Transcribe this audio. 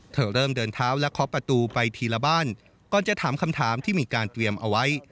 เธอเริ่มเดินเท้าและเคาะประตูไปทีละบ้านก่อนจะถามคำถามที่มีการเตรียมเอาไว้